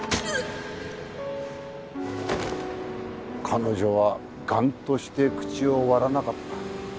彼女は頑として口を割らなかった。